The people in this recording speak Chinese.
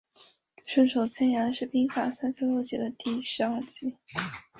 顺手牵羊是兵法三十六计的第十二计。